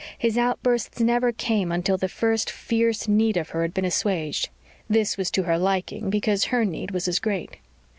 His outbursts never came until the first fierce need of her had been assuaged; this was to her liking because her need was as great.